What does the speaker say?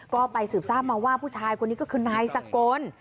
ก็ไปสืบทราบมาว่าผู้ชายคนนี้ก็คือนายสกล